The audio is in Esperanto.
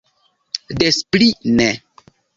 Des pli ne!